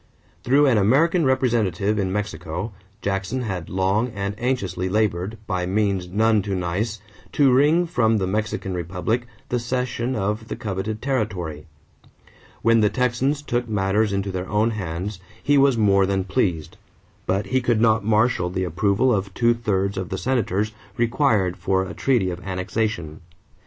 Through an American representative in Mexico, Jackson had long and anxiously labored, by means none too nice, to wring from the Mexican republic the cession of the coveted territory. When the Texans took matters into their own hands, he was more than pleased; but he could not marshal the approval of two thirds of the Senators required for a treaty of annexation.